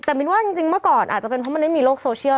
แต่มินว่าจริงเมื่อก่อนอาจจะเป็นเพราะมันไม่มีโลกโซเชียล